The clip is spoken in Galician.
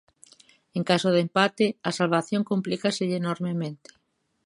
En caso de empate, a salvación complícaselle enormemente.